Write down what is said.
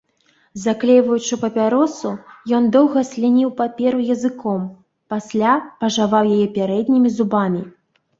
Заклейваючы папяросу, ён доўга слініў паперу языком, пасля пажаваў яе пярэднімі зубамі.